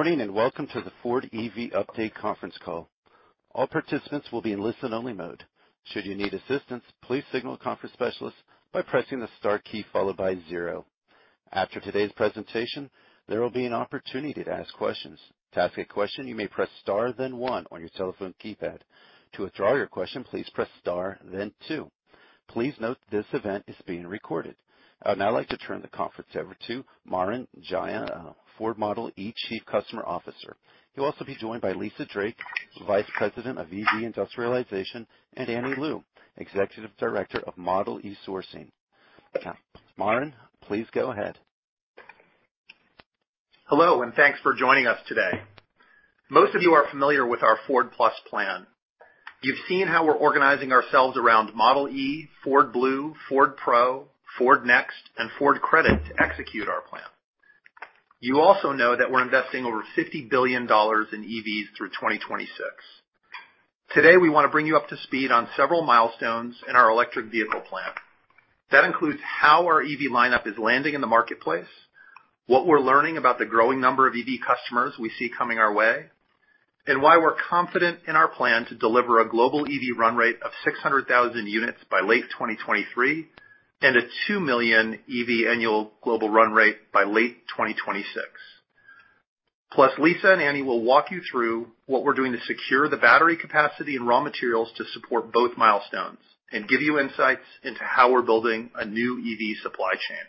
Good morning, and welcome to the Ford EV Update conference call. All participants will be in listen-only mode. Should you need assistance, please signal a conference specialist by pressing the star key followed by zero. After today's presentation, there will be an opportunity to ask questions. To ask a question, you may press star then one on your telephone keypad. To withdraw your question, please press star then two. Please note this event is being recorded. I'd now like to turn the conference over to Marin Gjaja, Ford Model e Chief Customer Officer. He'll also be joined by Lisa Drake, Vice President of EV Industrialization, and Annie Liu, Executive Director of Model e Sourcing. Now, Marin, please go ahead. Hello, and thanks for joining us today. Most of you are familiar with our Ford+ plan. You've seen how we're organizing ourselves around Ford Model e, Ford Blue, Ford Pro, Ford Next, and Ford Credit to execute our plan. You also know that we're investing over $50 billion in EVs through 2026. Today, we wanna bring you up to speed on several milestones in our electric vehicle plan. That includes how our EV lineup is landing in the marketplace, what we're learning about the growing number of EV customers we see coming our way, and why we're confident in our plan to deliver a global EV run rate of 600,000 units by late 2023 and a 2 million EV annual global run rate by late 2026. Plus, Lisa and Annie will walk you through what we're doing to secure the battery capacity and raw materials to support both milestones and give you insights into how we're building a new EV supply chain,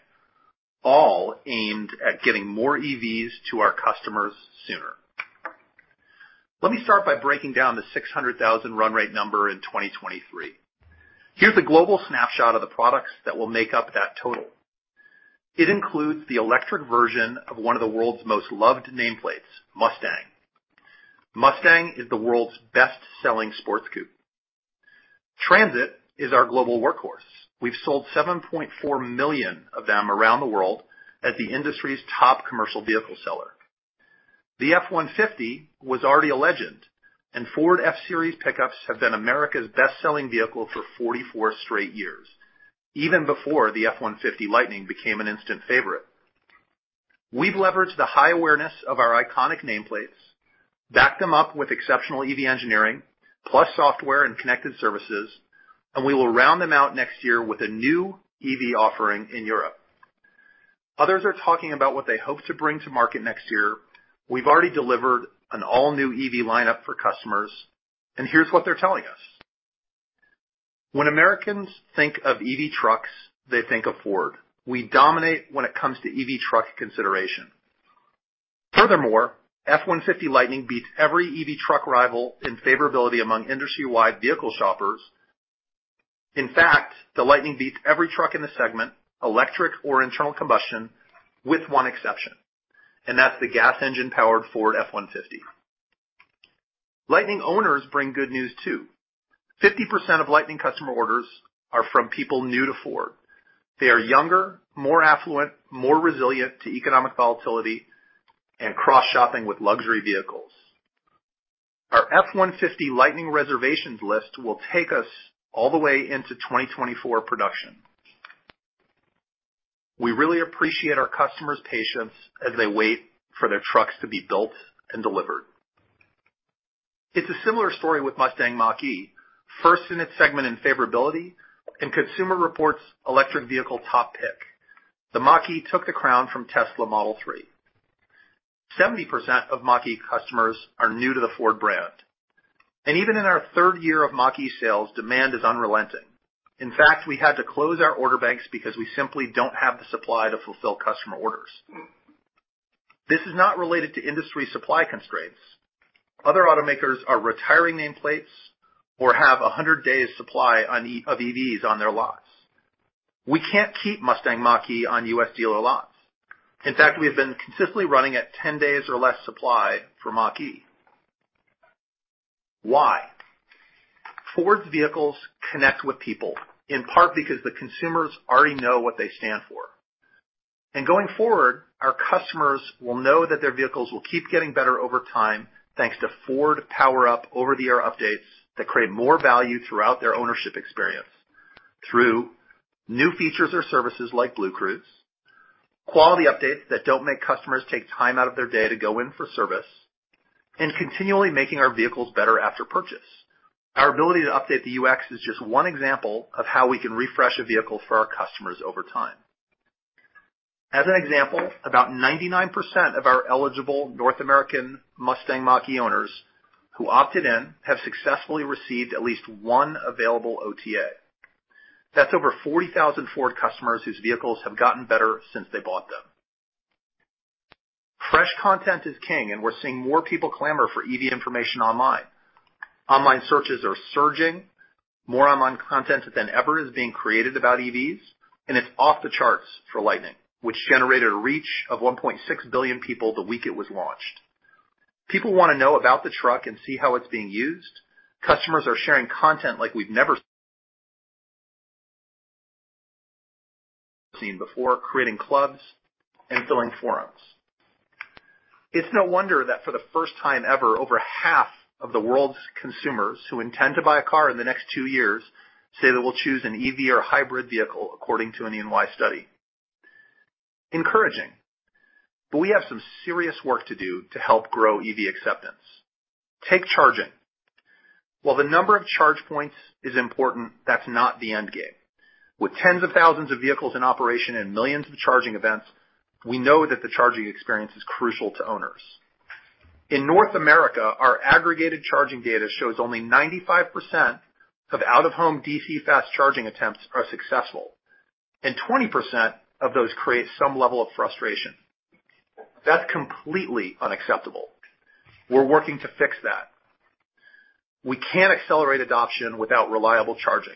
all aimed at getting more EVs to our customers sooner. Let me start by breaking down the 600,000 run rate number in 2023. Here's a global snapshot of the products that will make up that total. It includes the electric version of one of the world's most loved nameplates, Mustang. Mustang is the world's best-selling sports coupe. Transit is our global workhorse. We've sold 7.4 million of them around the world as the industry's top commercial vehicle seller. The F-150 was already a legend, and Ford F-Series pickups have been America's best-selling vehicle for 44 straight years, even before the F-150 Lightning became an instant favorite. We've leveraged the high awareness of our iconic nameplates, backed them up with exceptional EV engineering, plus software and connected services, and we will round them out next year with a new EV offering in Europe. Others are talking about what they hope to bring to market next year. We've already delivered an all-new EV lineup for customers, and here's what they're telling us. When Americans think of EV trucks, they think of Ford. We dominate when it comes to EV truck consideration. Furthermore, F-150 Lightning beats every EV truck rival in favorability among industry-wide vehicle shoppers. In fact, the Lightning beats every truck in the segment, electric or internal combustion, with one exception, and that's the gas engine-powered Ford F-150. Lightning owners bring good news too. 50% of Lightning customer orders are from people new to Ford. They are younger, more affluent, more resilient to economic volatility and cross-shopping with luxury vehicles. Our F-150 Lightning reservations list will take us all the way into 2024 production. We really appreciate our customers' patience as they wait for their trucks to be built and delivered. It's a similar story with Mustang Mach-E, first in its segment in favorability and Consumer Reports' electric vehicle top pick. The Mach-E took the crown from Tesla Model 3. 70% of Mach-E customers are new to the Ford brand. Even in our third year of Mach-E sales, demand is unrelenting. In fact, we had to close our order banks because we simply don't have the supply to fulfill customer orders. This is not related to industry supply constraints. Other automakers are retiring nameplates or have 100 days supply of EVs on their lots. We can't keep Mustang Mach-E on U.S. dealer lots. In fact, we have been consistently running at 10 days or less supply for Mach-E. Why? Ford's vehicles connect with people, in part because the consumers already know what they stand for. Going forward, our customers will know that their vehicles will keep getting better over time, thanks to Ford Power-Up over-the-air updates that create more value throughout their ownership experience through new features or services like BlueCruise, quality updates that don't make customers take time out of their day to go in for service, and continually making our vehicles better after purchase. Our ability to update the UX is just one example of how we can refresh a vehicle for our customers over time. As an example, about 99% of our eligible North American Mustang Mach-E owners who opted in have successfully received at least one available OTA. That's over 40,000 Ford customers whose vehicles have gotten better since they bought them. Fresh content is king, and we're seeing more people clamor for EV information online. Online searches are surging, more online content than ever is being created about EVs, and it's off the charts for Lightning, which generated a reach of 1.6 billion people the week it was launched. People wanna know about the truck and see how it's being used. Customers are sharing content like we've never seen before, creating clubs and filling forums. It's no wonder that for the first time ever, over half of the world's consumers who intend to buy a car in the next two years say they will choose an EV or hybrid vehicle, according to an EY study. Encouraging. We have some serious work to do to help grow EV acceptance. Take charging. While the number of charge points is important, that's not the end game. With tens of thousands of vehicles in operation and millions of charging events, we know that the charging experience is crucial to owners. In North America, our aggregated charging data shows only 95% of out-of-home DC fast charging attempts are successful, and 20% of those create some level of frustration. That's completely unacceptable. We're working to fix that. We can't accelerate adoption without reliable charging.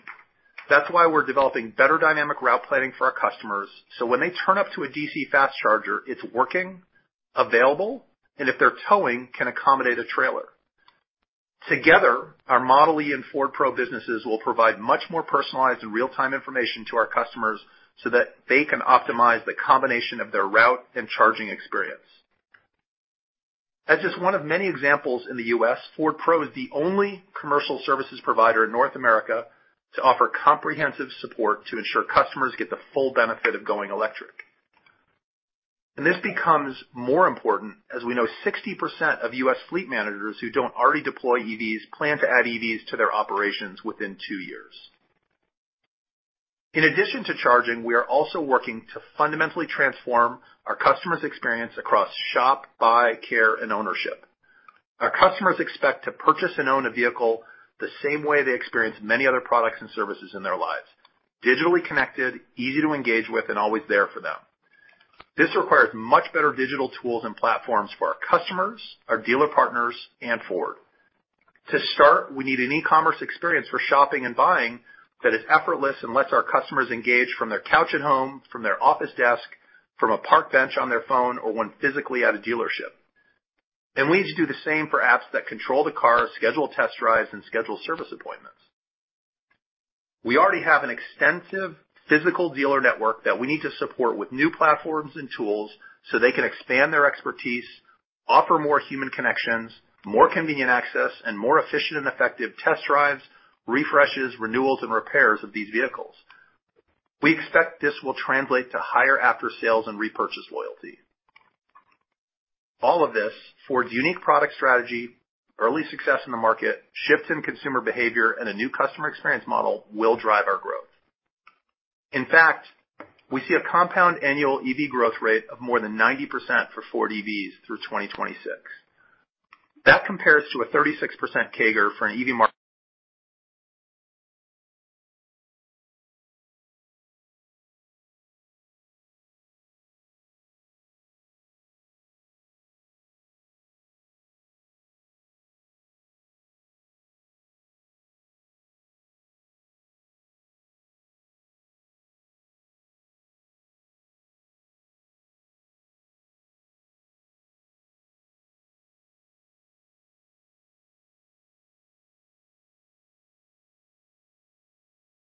That's why we're developing better dynamic route planning for our customers, so when they turn up to a DC fast charger, it's working, available, and if they're towing, can accommodate a trailer. Together, our Model e and Ford Pro businesses will provide much more personalized and real-time information to our customers so that they can optimize the combination of their route and charging experience. That's just one of many examples. In the U.S., Ford Pro is the only commercial services provider in North America to offer comprehensive support to ensure customers get the full benefit of going electric. This becomes more important as we know 60% of U.S. fleet managers who don't already deploy EVs plan to add EVs to their operations within two years. In addition to charging, we are also working to fundamentally transform our customer's experience across shop, buy, care, and ownership. Our customers expect to purchase and own a vehicle the same way they experience many other products and services in their lives. Digitally connected, easy to engage with, and always there for them. This requires much better digital tools and platforms for our customers, our dealer partners, and Ford. To start, we need an e-commerce experience for shopping and buying that is effortless and lets our customers engage from their couch at home, from their office desk, from a park bench on their phone, or when physically at a dealership. We need to do the same for apps that control the car, schedule test drives, and schedule service appointments. We already have an extensive physical dealer network that we need to support with new platforms and tools so they can expand their expertise, offer more human connections, more convenient access, and more efficient and effective test drives, refreshes, renewals, and repairs of these vehicles. We expect this will translate to higher after-sales and repurchase loyalty. All of this, Ford's unique product strategy, early success in the market, shifts in consumer behavior, and a new customer experience model will drive our growth. In fact, we see a compound annual EV growth rate of more than 90% for Ford EVs through 2026. That compares to a 36% CAGR for an EV market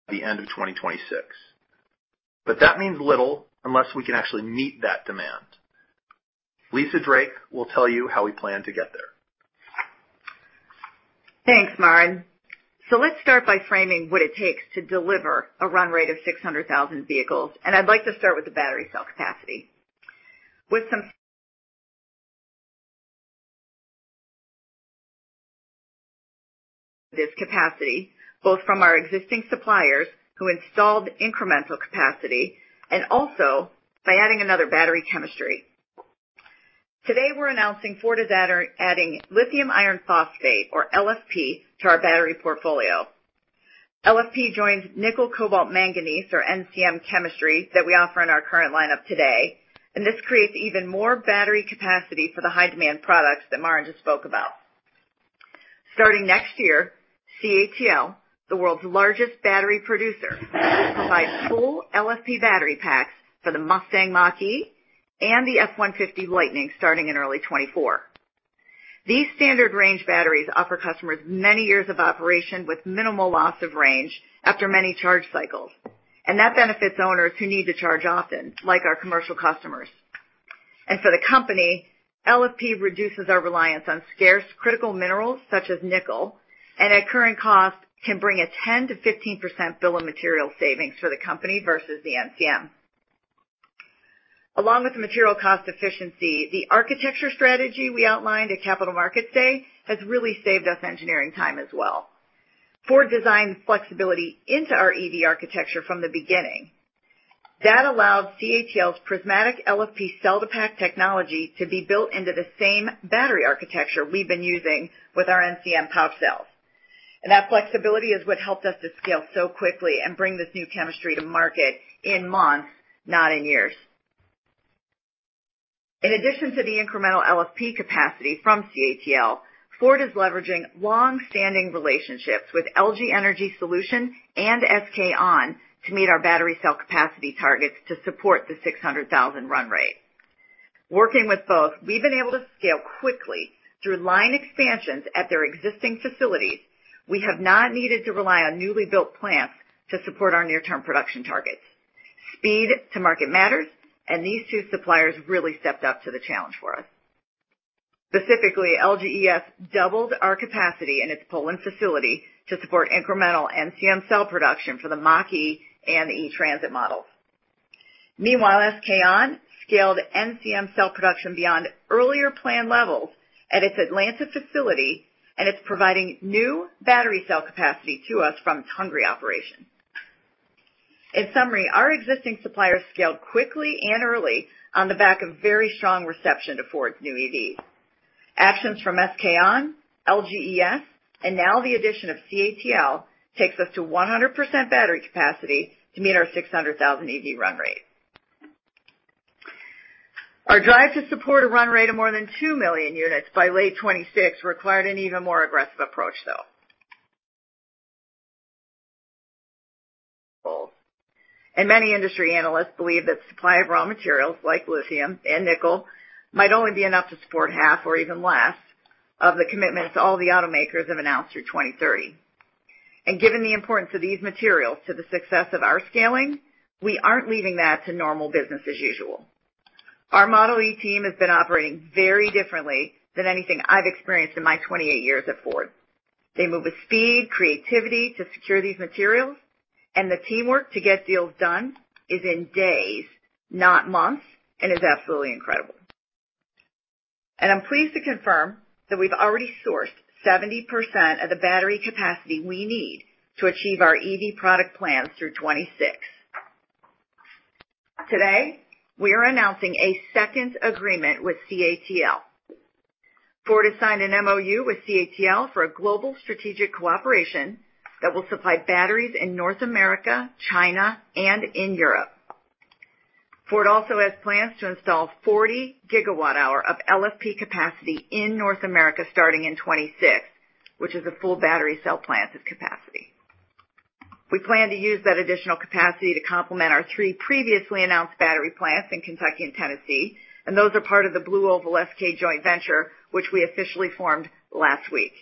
at the end of 2026. That means little unless we can actually meet that demand. Lisa Drake will tell you how we plan to get there. Thanks, Marin. Let's start by framing what it takes to deliver a run rate of 600,000 vehicles, and I'd like to start with the battery cell capacity. With this capacity, both from our existing suppliers who installed incremental capacity and also by adding another battery chemistry. Today, we're announcing Ford is adding lithium iron phosphate, or LFP, to our battery portfolio. LFP joins nickel cobalt manganese, or NCM, chemistry that we offer in our current lineup today, and this creates even more battery capacity for the high-demand products that Marin just spoke about. Starting next year, CATL, the world's largest battery producer, will provide full LFP battery packs for the Mustang Mach-E and the F-150 Lightning starting in early 2024. These standard range batteries offer customers many years of operation with minimal loss of range after many charge cycles, and that benefits owners who need to charge often, like our commercial customers. For the company, LFP reduces our reliance on scarce critical minerals such as nickel, and at current costs, can bring a 10%-15% bill of material savings for the company versus the NCM. Along with the material cost efficiency, the architecture strategy we outlined at Capital Markets Day has really saved us engineering time as well. Ford designed flexibility into our EV architecture from the beginning. That allowed CATL's prismatic LFP cell-to-pack technology to be built into the same battery architecture we've been using with our NCM pouch cells. That flexibility is what helped us to scale so quickly and bring this new chemistry to market in months, not in years. In addition to the incremental LFP capacity from CATL, Ford is leveraging long-standing relationships with LG Energy Solution and SK On to meet our battery cell capacity targets to support the 600,000 run rate. Working with both, we've been able to scale quickly through line expansions at their existing facilities. We have not needed to rely on newly built plants to support our near-term production targets. Speed to market matters, and these two suppliers really stepped up to the challenge for us. Specifically, LGES doubled our capacity in its Poland facility to support incremental NCM cell production for the Mach-E and the E-Transit models. Meanwhile, SK On scaled NCM cell production beyond earlier planned levels at its Atlanta facility, and it's providing new battery cell capacity to us from its Hungary operation. In summary, our existing suppliers scaled quickly and early on the back of very strong reception to Ford's new EVs. Actions from SK On, LGES, and now the addition of CATL takes us to 100% battery capacity to meet our 600,000 EV run rate. Our drive to support a run rate of more than 2 million units by late 2026 required an even more aggressive approach, though. Many industry analysts believe that supply of raw materials like lithium and nickel might only be enough to support half or even less of the commitments that all the automakers have announced through 2023. Given the importance of these materials to the success of our scaling, we aren't leaving that to normal business as usual. Our Model e team has been operating very differently than anything I've experienced in my 28 years at Ford. They move with speed, creativity to secure these materials, and the teamwork to get deals done is in days, not months, and is absolutely incredible. I'm pleased to confirm that we've already sourced 70% of the battery capacity we need to achieve our EV product plans through 2026. Today, we are announcing a second agreement with CATL. Ford has signed an MOU with CATL for a global strategic cooperation that will supply batteries in North America, China, and in Europe. Ford also has plans to install 40 GWh of LFP capacity in North America starting in 2026, which is a full battery cell plant of capacity. We plan to use that additional capacity to complement our three previously announced battery plants in Kentucky and Tennessee, and those are part of the BlueOval SK joint venture, which we officially formed last week.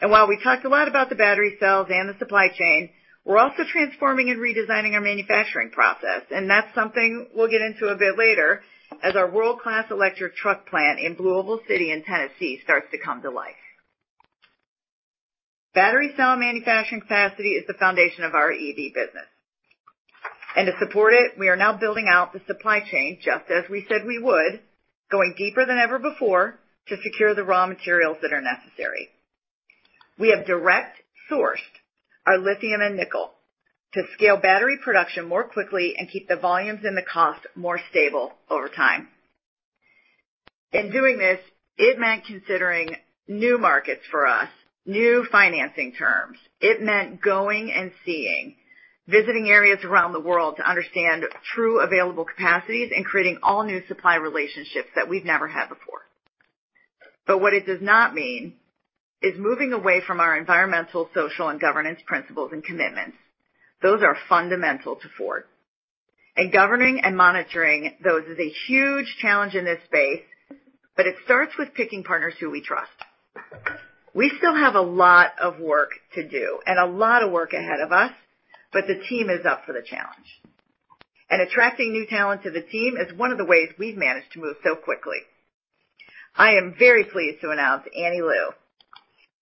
While we talked a lot about the battery cells and the supply chain, we're also transforming and redesigning our manufacturing process. That's something we'll get into a bit later as our world-class electric truck plant in BlueOval City in Tennessee starts to come to life. Battery cell manufacturing capacity is the foundation of our EV business. To support it, we are now building out the supply chain, just as we said we would, going deeper than ever before to secure the raw materials that are necessary. We have direct-sourced our lithium and nickel to scale battery production more quickly and keep the volumes and the cost more stable over time. In doing this, it meant considering new markets for us, new financing terms. It meant going and seeing, visiting areas around the world to understand true available capacities and creating all new supply relationships that we've never had before. What it does not mean is moving away from our environmental, social, and governance principles and commitments. Those are fundamental to Ford. Governing and monitoring those is a huge challenge in this space, but it starts with picking partners who we trust. We still have a lot of work to do and a lot of work ahead of us, but the team is up for the challenge. Attracting new talent to the team is one of the ways we've managed to move so quickly. I am very pleased to announce Annie Liu.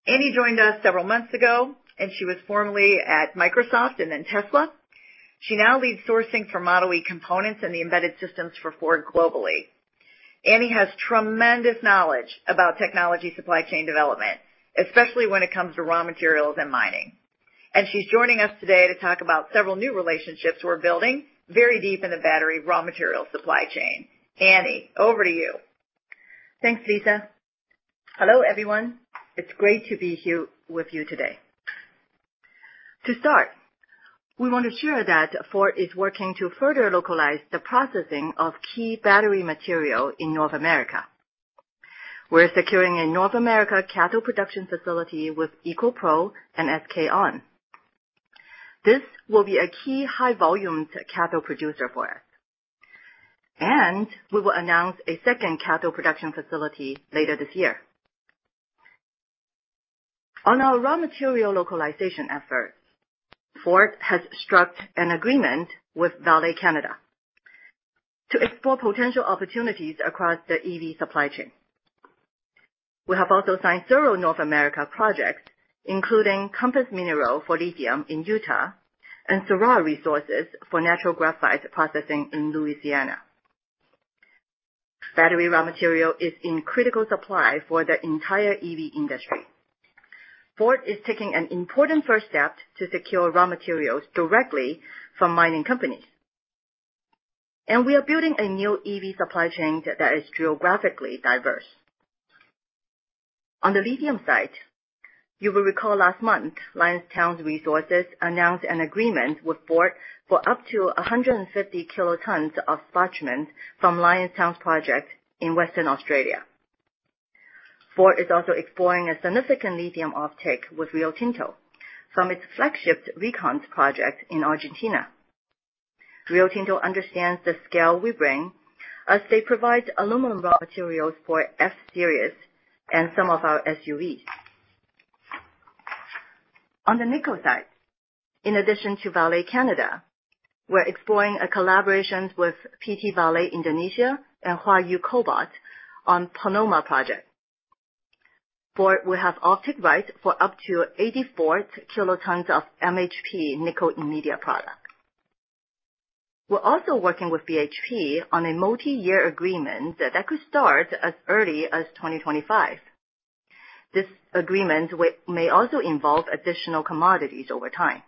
Annie joined us several months ago, and she was formerly at Microsoft and then Tesla. She now leads sourcing for Model e components and the embedded systems for Ford globally. Annie has tremendous knowledge about technology supply chain development, especially when it comes to raw materials and mining. She's joining us today to talk about several new relationships we're building very deep in the battery raw material supply chain. Annie, over to you. Thanks, Lisa. Hello, everyone. It's great to be here with you today. To start, we want to share that Ford is working to further localize the processing of key battery material in North America. We're securing a North America cathode production facility with EcoPro BM and SK On. This will be a key high volume cathode producer for us, and we will announce a second cathode production facility later this year. On our raw material localization efforts, Ford has struck an agreement with Vale Canada Limited to explore potential opportunities across the EV supply chain. We have also signed several North America projects, including Compass Minerals for lithium in Utah and Syrah Resources for natural graphite processing in Louisiana. Battery raw material is in critical supply for the entire EV industry. Ford is taking an important first step to secure raw materials directly from mining companies. We are building a new EV supply chain that is geographically diverse. On the lithium side, you will recall last month, Liontown Resources announced an agreement with Ford for up to 150 kilotons of spodumene from Liontown's project in Western Australia. Ford is also exploring a significant lithium offtake with Rio Tinto from its flagship Rincon project in Argentina. Rio Tinto understands the scale we bring as they provide aluminum raw materials for F-Series and some of our SUVs. On the nickel side, in addition to Vale Canada, we're exploring a collaboration with PT Vale Indonesia and Huayou Cobalt on Pomalaa project. Ford will have offtake rights for up to 84 kilotons of MHP nickel intermediate product. We're also working with BHP on a multi-year agreement that could start as early as 2025. This agreement may also involve additional commodities over time.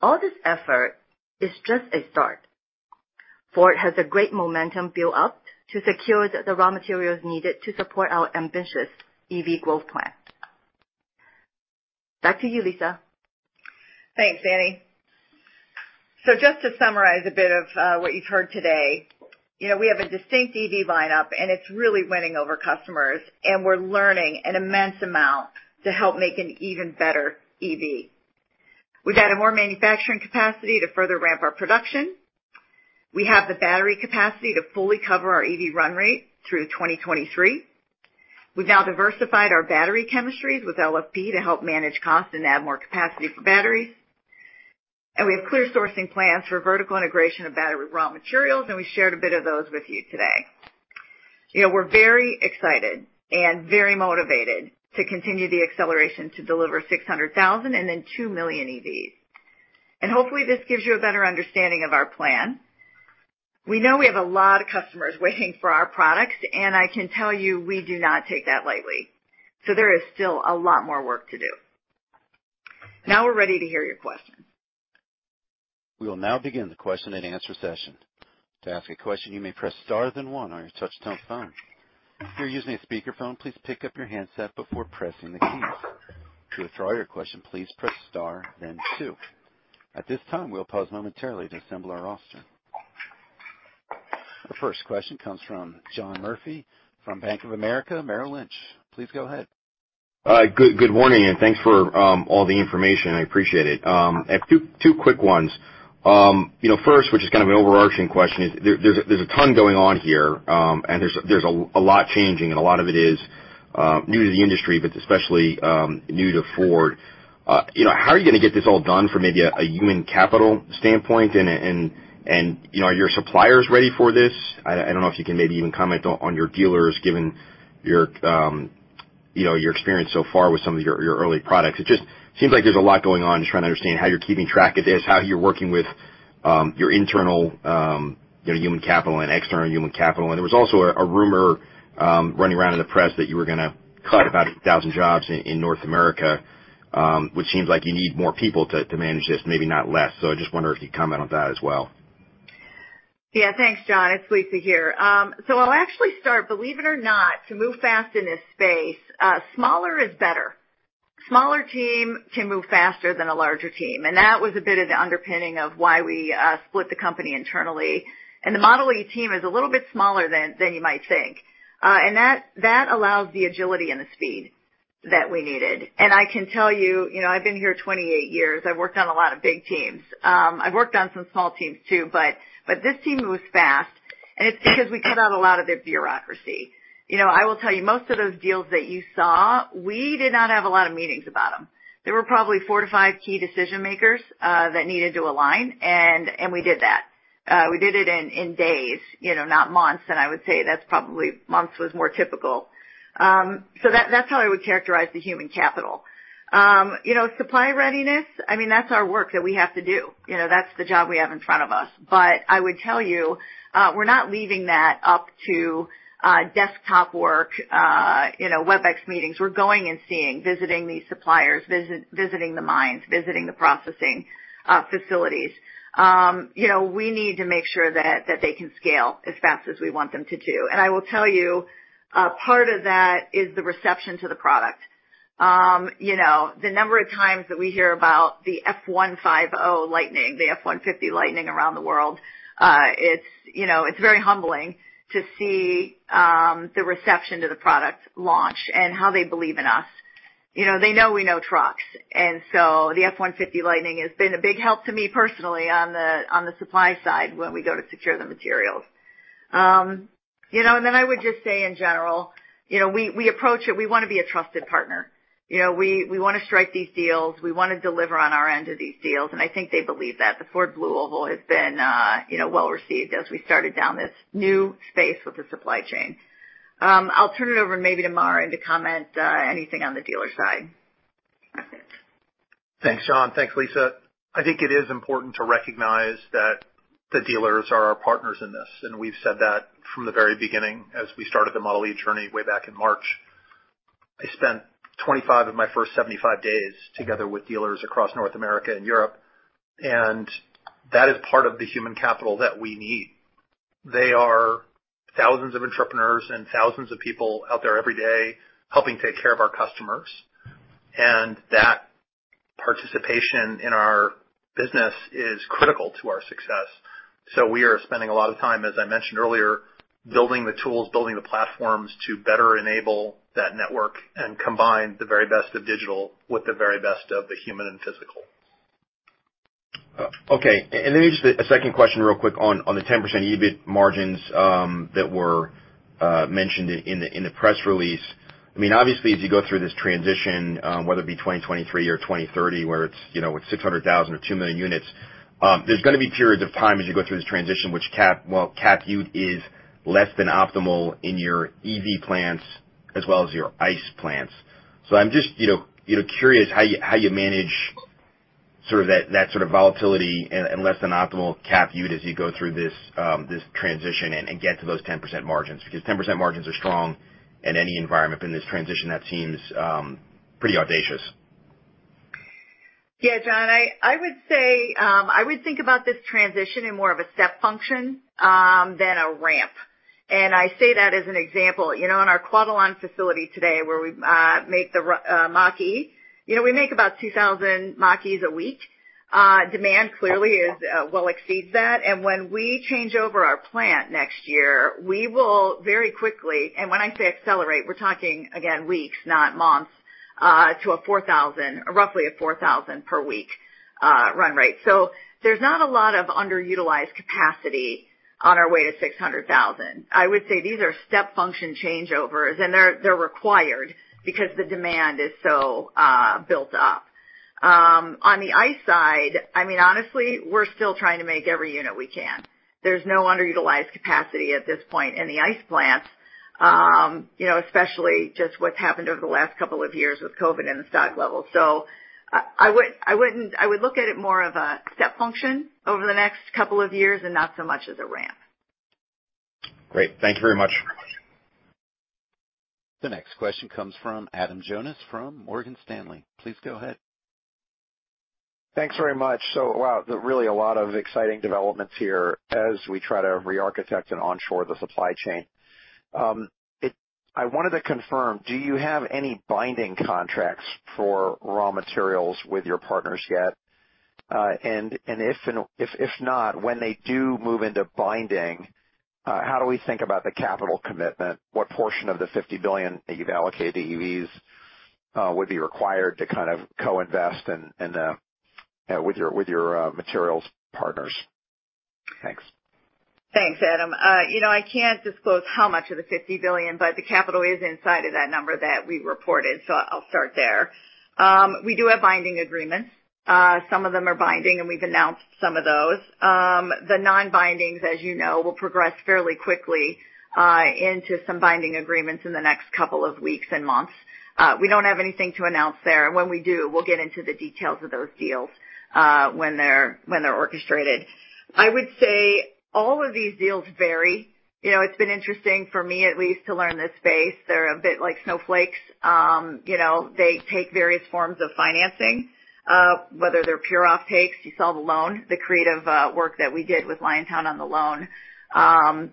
All this effort is just a start. Ford has a great momentum build up to secure the raw materials needed to support our ambitious EV growth plan. Back to you, Lisa. Thanks, Annie. Just to summarize a bit of what you've heard today, you know, we have a distinct EV lineup, and it's really winning over customers, and we're learning an immense amount to help make an even better EV. We've added more manufacturing capacity to further ramp our production. We have the battery capacity to fully cover our EV run rate through 2023. We've now diversified our battery chemistries with LFP to help manage costs and add more capacity for batteries. We have clear sourcing plans for vertical integration of battery raw materials, and we shared a bit of those with you today. You know, we're very excited and very motivated to continue the acceleration to deliver 600,000 and then 2 million EVs. Hopefully this gives you a better understanding of our plan. We know we have a lot of customers waiting for our products, and I can tell you we do not take that lightly. There is still a lot more work to do. Now we're ready to hear your questions. We will now begin the question-and-answer session. To ask a question, you may press star then one on your touch-tone phone. If you're using a speakerphone, please pick up your handset before pressing the keys. To withdraw your question, please press star then two. At this time, we'll pause momentarily to assemble our roster. Our first question comes from John Murphy from Bank of America Merrill Lynch. Please go ahead. Good morning, and thanks for all the information. I appreciate it. I have two quick ones. You know, first, which is kind of an overarching question, is there's a ton going on here, and there's a lot changing and a lot of it is new to the industry, but especially new to Ford. You know, how are you gonna get this all done from maybe a human capital standpoint? And you know, are your suppliers ready for this? I don't know if you can maybe even comment on your dealers given your, you know, your experience so far with some of your early products. It just seems like there's a lot going on. I'm just trying to understand how you're keeping track of this, how you're working with your internal, you know, human capital and external human capital. There was also a rumor running around in the press that you were gonna cut about 1,000 jobs in North America, which seems like you need more people to manage this, maybe not less. I just wonder if you'd comment on that as well. Yeah. Thanks, John. It's Lisa here. I'll actually start, believe it or not, to move fast in this space, smaller is better. Smaller team can move faster than a larger team, and that was a bit of the underpinning of why we split the company internally. The Model e team is a little bit smaller than you might think. That allows the agility and the speed that we needed. I can tell you know, I've been here 28 years. I've worked on a lot of big teams. I've worked on some small teams too, but this team moves fast, and it's because we cut out a lot of the bureaucracy. You know, I will tell you, most of those deals that you saw, we did not have a lot of meetings about them. There were probably four to five key decision-makers that needed to align, and we did that. We did it in days, you know, not months. I would say that's probably months was more typical. So that's how I would characterize the human capital. You know, supply readiness, I mean, that's our work that we have to do. You know, that's the job we have in front of us. But I would tell you, we're not leaving that up to desktop work, you know, WebEx meetings. We're going and seeing, visiting these suppliers, visiting the mines, visiting the processing facilities. You know, we need to make sure that they can scale as fast as we want them to do. I will tell you, part of that is the reception to the product. You know, the number of times that we hear about the F-150 Lightning around the world, it's very humbling to see the reception to the product launch and how they believe in us. You know, they know we know trucks, and so the F-150 Lightning has been a big help to me personally on the supply side when we go to secure the materials. You know, and then I would just say in general, you know, we approach it, we wanna be a trusted partner. You know, we wanna strike these deals. We wanna deliver on our end of these deals. And I think they believe that. The Ford BlueOval has been well-received as we started down this new space with the supply chain. I'll turn it over maybe to Marin to comment, anything on the dealer side. That's it. Thanks, John. Thanks, Lisa. I think it is important to recognize that the dealers are our partners in this, and we've said that from the very beginning as we started the Model E journey way back in March. I spent 25 of my first 75 days together with dealers across North America and Europe, and that is part of the human capital that we need. They are thousands of entrepreneurs and thousands of people out there every day helping take care of our customers, and that participation in our business is critical to our success. We are spending a lot of time, as I mentioned earlier, building the tools, building the platforms to better enable that network and combine the very best of digital with the very best of the human and physical. Just a second question real quick on the 10% EBIT margins that were mentioned in the press release. I mean obviously as you go through this transition, whether it be 2023 or 2030, where it's, you know, it's 600,000 or 2 million units, there's gonna be periods of time as you go through this transition which capacity utilization is less than optimal in your EV plants as well as your ICE plants. I'm just, you know, curious how you manage sort of that sort of volatility and less than optimal capacity utilization as you go through this transition and get to those 10% margins. Because 10% margins are strong in any environment. In this transition, that seems pretty audacious. Yeah, John, I would say I would think about this transition in more of a step function than a ramp. I say that as an example. You know, in our Cuautitlán facility today, where we make the Mach-E, you know, we make about 2,000 Mach-Es a week. Demand clearly well exceeds that. When we change over our plant next year, we will very quickly, and when I say accelerate, we're talking again, weeks, not months, to a 4,000, roughly 4,000 per week run rate. There's not a lot of underutilized capacity on our way to 600,000. I would say these are step function changeovers, and they're required because the demand is so built up. On the ICE side, I mean, honestly, we're still trying to make every unit we can. There's no underutilized capacity at this point in the ICE plant. You know, especially just what's happened over the last couple of years with COVID and the stock level. I would look at it more of a step function over the next couple of years and not so much as a ramp. Great. Thank you very much. The next question comes from Adam Jonas from Morgan Stanley. Please go ahead. Thanks very much. Wow, there's really a lot of exciting developments here as we try to re-architect and onshore the supply chain. I wanted to confirm, do you have any binding contracts for raw materials with your partners yet? If not, when they do move into binding, how do we think about the capital commitment? What portion of the $50 billion that you've allocated to EVs would be required to kind of co-invest with your materials partners? Thanks. Thanks, Adam. You know, I can't disclose how much of the $50 billion, but the capital is inside of that number that we reported. I'll start there. We do have binding agreements. Some of them are binding, and we've announced some of those. The non-bindings, as you know, will progress fairly quickly into some binding agreements in the next couple of weeks and months. We don't have anything to announce there, and when we do, we'll get into the details of those deals when they're orchestrated. I would say all of these deals vary. You know, it's been interesting for me at least to learn this space. They're a bit like snowflakes. You know, they take various forms of financing, whether they're pure offtakes, you sell the loan, the creative work that we did with Liontown on the loan.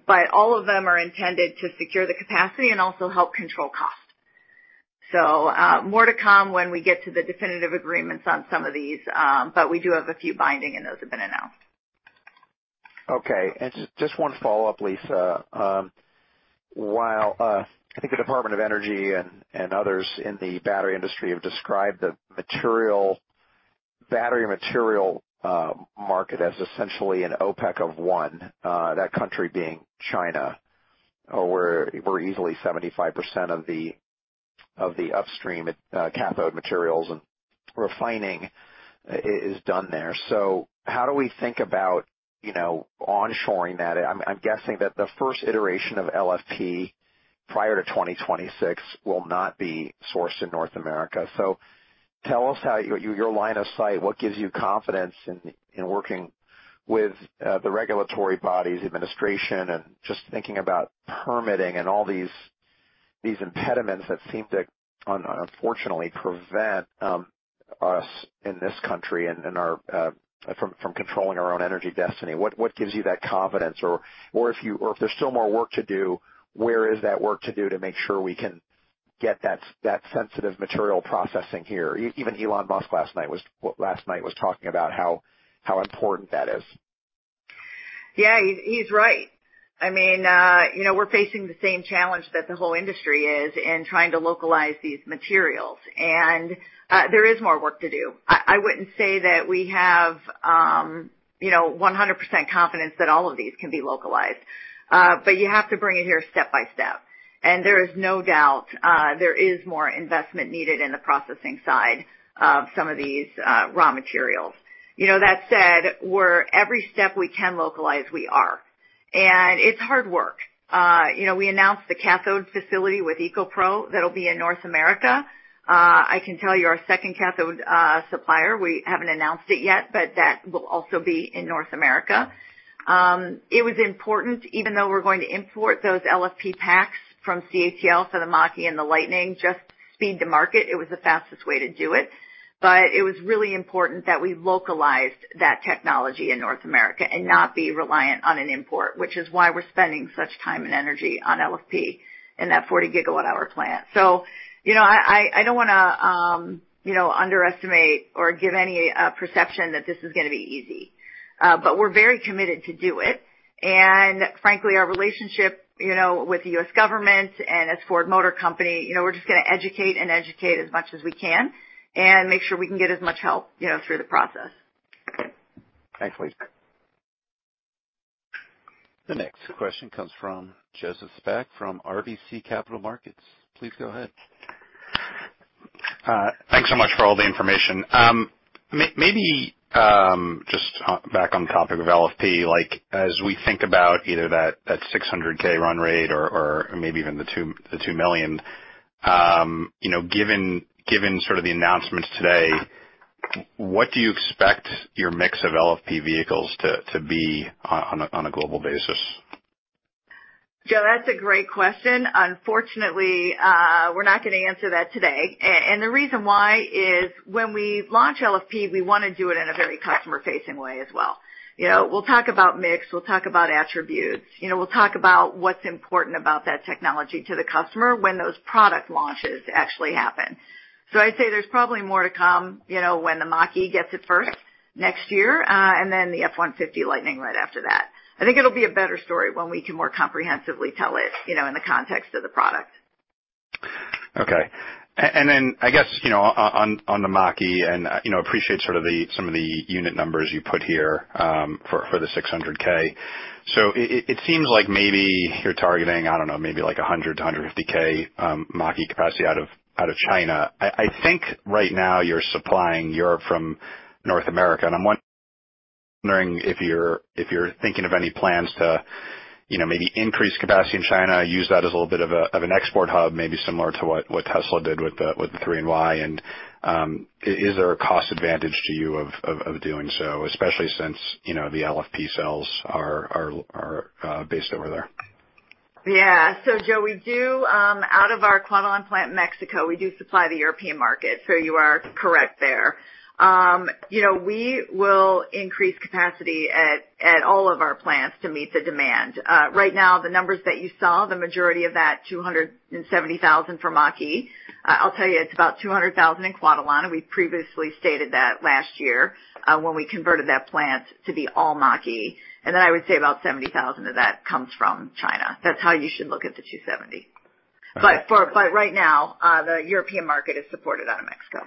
But all of them are intended to secure the capacity and also help control cost. More to come when we get to the definitive agreements on some of these, but we do have a few binding, and those have been announced. Okay. Just one follow-up, Lisa. While I think the Department of Energy and others in the battery industry have described the battery material market as essentially an OPEC of one, that country being China, where we're easily 75% of the upstream cathode materials and refining is done there. How do we think about, you know, onshoring that? I'm guessing that the first iteration of LFP prior to 2026 will not be sourced in North America. Tell us how your line of sight, what gives you confidence in working with the regulatory bodies, administration, and just thinking about permitting and all these impediments that seem to unfortunately prevent us in this country and our from controlling our own energy destiny. What gives you that confidence? If there's still more work to do, where is that work to do to make sure we can get that sensitive material processing here? Even Elon Musk last night was talking about how important that is. Yeah, he's right. I mean, you know, we're facing the same challenge that the whole industry is in trying to localize these materials. There is more work to do. I wouldn't say that we have, you know, 100% confidence that all of these can be localized. You have to bring it here step by step. There is no doubt, there is more investment needed in the processing side of some of these raw materials. You know, that said, we're every step we can localize, we are. It's hard work. You know, we announced the cathode facility with EcoPro BM that'll be in North America. I can tell you our second cathode supplier, we haven't announced it yet, but that will also be in North America. It was important, even though we're going to import those LFP packs from CATL for the Mach-E and the Lightning, just speed to market. It was the fastest way to do it. It was really important that we localized that technology in North America and not be reliant on an import, which is why we're spending such time and energy on LFP in that 40 gigawatt hour plant. You know, I don't wanna, you know, underestimate or give any perception that this is gonna be easy. We're very committed to do it. Frankly, our relationship, you know, with the U.S. government and as Ford Motor Company, you know, we're just gonna educate and educate as much as we can and make sure we can get as much help, you know, through the process. Thanks, Lisa. The next question comes from Joseph Spak from RBC Capital Markets. Please go ahead. Thanks so much for all the information. Maybe just on back on the topic of LFP, like, as we think about either that 600K run rate or maybe even the 2 million, you know, given sort of the announcements today, what do you expect your mix of LFP vehicles to be on a global basis? Joe, that's a great question. Unfortunately, we're not gonna answer that today. And the reason why is when we launch LFP, we wanna do it in a very customer-facing way as well. You know, we'll talk about mix, we'll talk about attributes, you know, we'll talk about what's important about that technology to the customer when those product launches actually happen. I'd say there's probably more to come, you know, when the Mach-E gets it first next year, and then the F-150 Lightning right after that. I think it'll be a better story when we can more comprehensively tell it, you know, in the context of the product. Okay. Then I guess, you know, on the Mach-E and, you know, appreciate some of the unit numbers you put here for the 600K. It seems like maybe you're targeting, I don't know, maybe like 100 to 150K Mach-E capacity out of China. I think right now you're supplying Europe from North America, and I'm wondering if you're thinking of any plans to, you know, maybe increase capacity in China, use that as a little bit of an export hub, maybe similar to what Tesla did with the Model 3 and Model Y. Is there a cost advantage to you of doing so, especially since, you know, the LFP cells are based over there? Yeah. Joe, we do, out of our Cuautitlán plant in Mexico, we do supply the European market, so you are correct there. You know, we will increase capacity at all of our plants to meet the demand. Right now, the numbers that you saw, the majority of that 270,000 for Mach-E. I'll tell you, it's about 200,000 in Cuautitlán, and we previously stated that last year, when we converted that plant to be all Mach-E. I would say about 70,000 of that comes from China. That's how you should look at the 270. Okay. Right now, the European market is supported out of Mexico.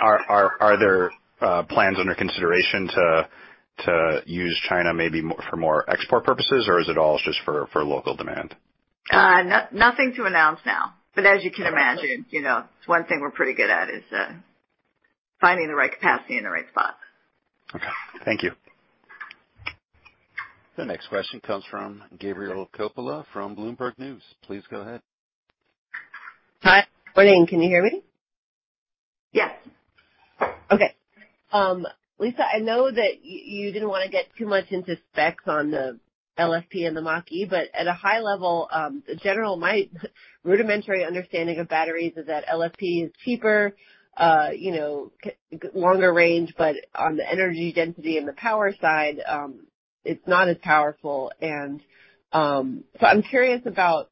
Are there plans under consideration to use China maybe more for more export purposes, or is it all just for local demand? Nothing to announce now, but as you can imagine, you know, it's one thing we're pretty good at is finding the right capacity in the right spot. Okay. Thank you. The next question comes from Gabrielle Coppola from Bloomberg News. Please go ahead. Hi. Morning. Can you hear me? Yes. Okay. Lisa, I know that you didn't wanna get too much into specs on the LFP and the Mach-E, but at a high level, the general, my rudimentary understanding of batteries is that LFP is cheaper, you know, longer range, but on the energy density and the power side, it's not as powerful. I'm curious about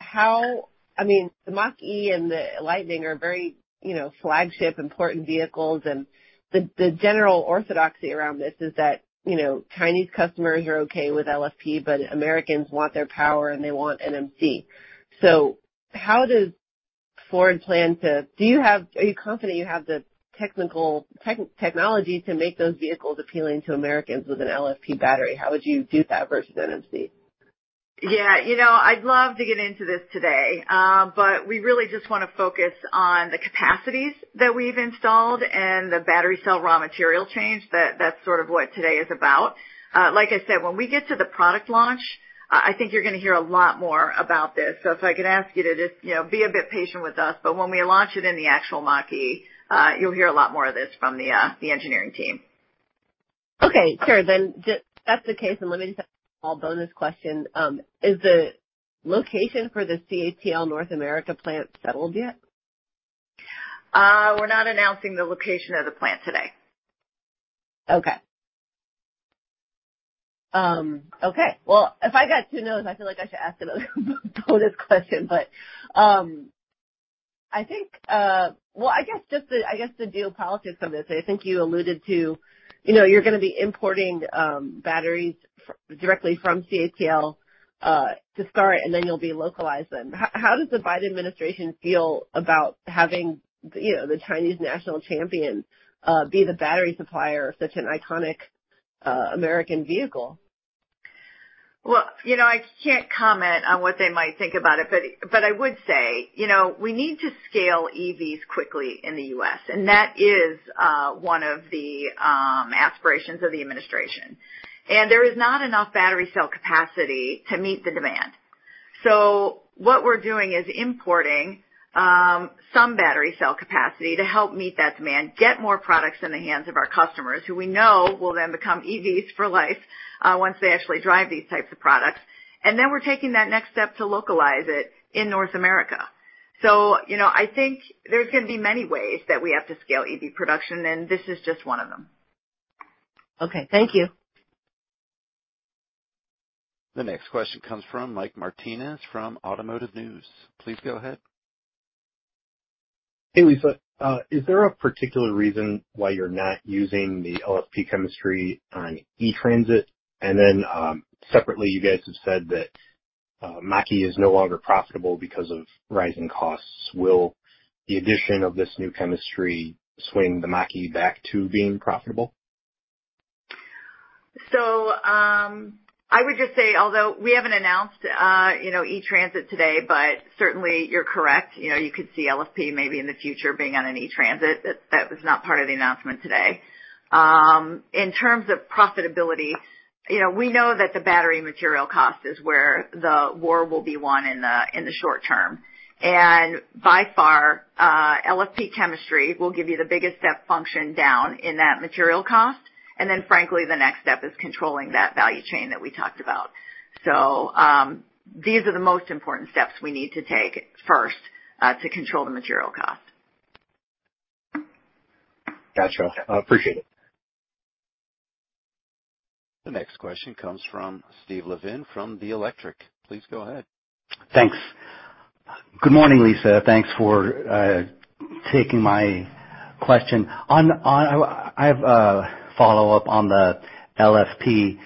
how. I mean, the Mach-E and the Lightning are very, you know, flagship important vehicles, and the general orthodoxy around this is that, you know, Chinese customers are okay with LFP, but Americans want their power and they want NMC. How does Ford plan to are you confident you have the technical technology to make those vehicles appealing to Americans with an LFP battery? How would you do that versus NMC? Yeah. You know, I'd love to get into this today, but we really just wanna focus on the capacities that we've installed and the battery cell raw material change. That's sort of what today is about. Like I said, when we get to the product launch, I think you're gonna hear a lot more about this. So if I could ask you to just, you know, be a bit patient with us, but when we launch it in the actual Mach-E, you'll hear a lot more of this from the engineering team. If that's the case, let me just ask a bonus question. Is the location for the CATL North America plant settled yet? We're not announcing the location of the plant today. Okay. Okay. Well, if I got two nos, I feel like I should ask another bonus question. I think, well, I guess the geopolitics of this, I think you alluded to, you know, you're gonna be importing batteries directly from CATL to start, and then you'll localize them. How does the Biden administration feel about having, you know, the Chinese national champion be the battery supplier of such an iconic American vehicle? Well, you know, I can't comment on what they might think about it, but I would say, you know, we need to scale EVs quickly in the U.S., and that is one of the aspirations of the administration. There is not enough battery cell capacity to meet the demand. What we're doing is importing some battery cell capacity to help meet that demand, get more products in the hands of our customers who we know will then become EVs for life, once they actually drive these types of products. We're taking that next step to localize it in North America. You know, I think there's gonna be many ways that we have to scale EV production, and this is just one of them. Okay. Thank you. The next question comes from Mike Martinez from Automotive News. Please go ahead. Hey, Lisa. Is there a particular reason why you're not using the LFP chemistry on E-Transit? Separately, you guys have said that. Mach-E is no longer profitable because of rising costs. Will the addition of this new chemistry swing the Mach-E back to being profitable? I would just say, although we haven't announced, you know, E-Transit today, but certainly you're correct. You know, you could see LFP maybe in the future being on an E-Transit. That was not part of the announcement today. In terms of profitability, you know, we know that the battery material cost is where the war will be won in the short term. By far, LFP chemistry will give you the biggest step function down in that material cost. Frankly, the next step is controlling that value chain that we talked about. These are the most important steps we need to take first to control the material cost. Gotcha. I appreciate it. The next question comes from Steve LeVine from The Electric. Please go ahead. Thanks. Good morning, Lisa. Thanks for taking my question. I have a follow-up on the LFP.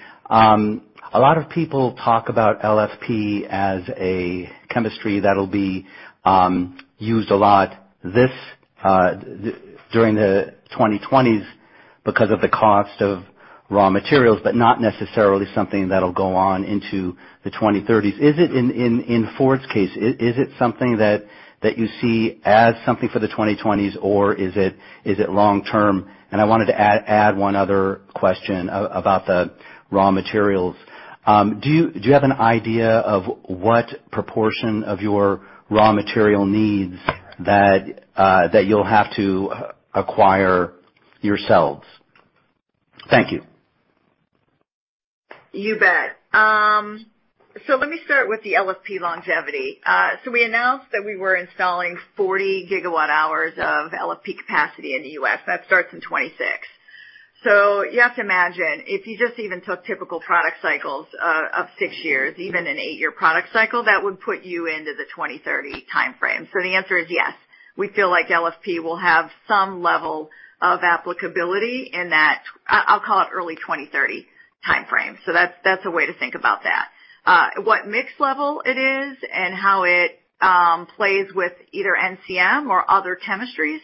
A lot of people talk about LFP as a chemistry that'll be used a lot during the 2020s because of the cost of raw materials, but not necessarily something that'll go on into the 2030s. Is it in Ford's case, is it something that you see as something for the 2020s, or is it long term? I wanted to add one other question about the raw materials. Do you have an idea of what proportion of your raw material needs that you'll have to acquire yourselves? Thank you. You bet. Let me start with the LFP longevity. We announced that we were installing 40 GWh of LFP capacity in the U.S. That starts in 2026. You have to imagine, if you just even took typical product cycles of six years, even an eight-year product cycle, that would put you into the 2030 timeframe. The answer is yes. We feel like LFP will have some level of applicability in that I'll call it early 2030 timeframe. That's a way to think about that. What mix level it is and how it plays with either NCM or other chemistries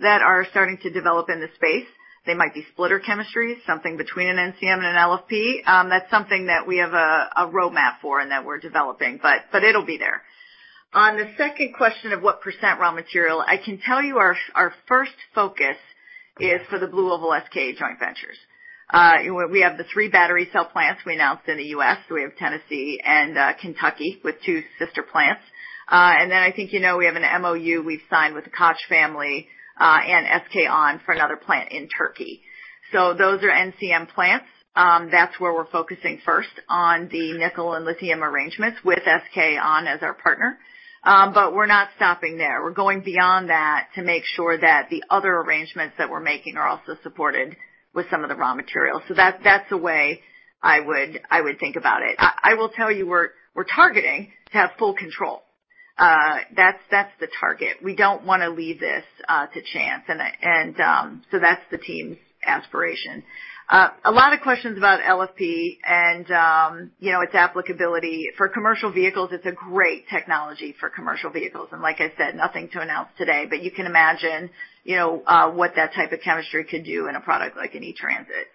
that are starting to develop in the space, they might be splitter chemistries, something between an NCM and an LFP. That's something that we have a roadmap for and that we're developing, but it'll be there. On the second question of what percent raw material, I can tell you our first focus is for the BlueOval SK joint ventures. We have the three battery cell plants we announced in the U.S. We have Tennessee and Kentucky with two sister plants. I think, you know, we have an MOU we've signed with the Koç Holding and SK On for another plant in Turkey. Those are NCM plants. That's where we're focusing first on the nickel and lithium arrangements with SK On as our partner. We're not stopping there. We're going beyond that to make sure that the other arrangements that we're making are also supported with some of the raw materials. That's the way I would think about it. I will tell you, we're targeting to have full control. That's the target. We don't wanna leave this to chance. So that's the team's aspiration. A lot of questions about LFP and you know, its applicability. For commercial vehicles, it's a great technology for commercial vehicles. Like I said, nothing to announce today, but you can imagine, you know, what that type of chemistry could do in a product like an E-Transit.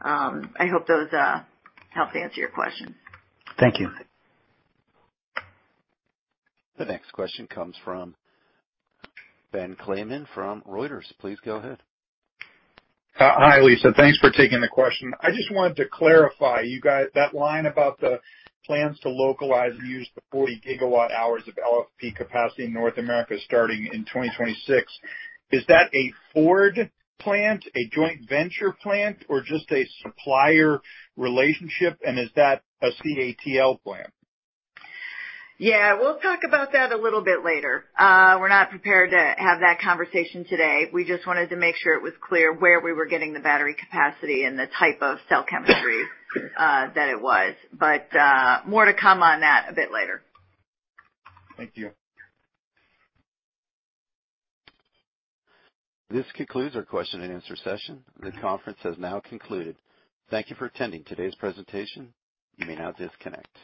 I hope those helped answer your question. Thank you. The next question comes from Ben Klayman from Reuters. Please go ahead. Hi, Lisa. Thanks for taking the question. I just wanted to clarify, you guys, that line about the plans to localize and use the 40 gigawatt hours of LFP capacity in North America starting in 2026, is that a Ford plant, a joint venture plant, or just a supplier relationship? And is that a CATL plant? Yeah, we'll talk about that a little bit later. We're not prepared to have that conversation today. We just wanted to make sure it was clear where we were getting the battery capacity and the type of cell chemistry, that it was. More to come on that a bit later. Thank you. This concludes our question-and-answer session. This conference has now concluded. Thank you for attending today's presentation. You may now disconnect.